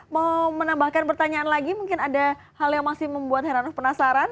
mau menambahkan pertanyaan lagi mungkin ada hal yang masih membuat heranov penasaran